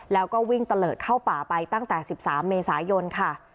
แล้วก็วิ่งตะเลิศเข้าป่าไปตั้งแต่๑๓เมษายนค่ะ